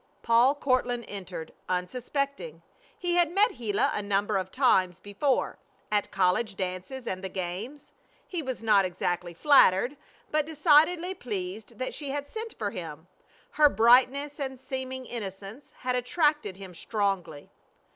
Paul Courtland entered, unsuspecting. He had met Gila a number of times before, at college dances and the games. He was not exactly flattered, but decidedly pleased that she had sent for him. Her brightness and seeming innocence had attracted him strongly.